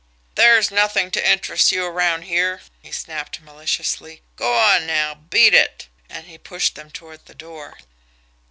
"There's nothing to interest you around here!" he snapped maliciously. "Go on, now beat it!" And he pushed them toward the door.